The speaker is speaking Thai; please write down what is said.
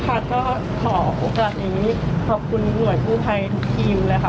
ค่ะก็ขอโอกาสนี้ขอบคุณหน่วยกู้ภัยทุกทีมเลยค่ะ